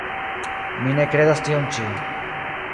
Mi ne kredas tion ĉi.